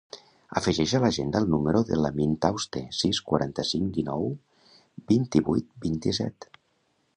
Afegeix a l'agenda el número de l'Amin Tauste: sis, quaranta-cinc, dinou, vint-i-vuit, vint-i-set.